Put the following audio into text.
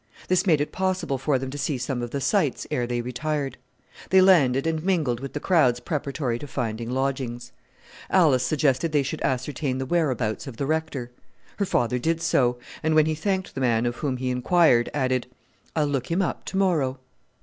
This made it possible for them to see some of the sights ere they retired. They landed and mingled with the crowds preparatory to finding lodgings. Alice suggested they should ascertain the whereabouts of the Rector. Her father did so; and when he thanked the man of whom he inquired, added, "I'll look him up to morrow."